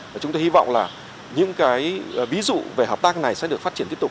và chúng tôi hy vọng là những cái ví dụ về hợp tác này sẽ được phát triển tiếp tục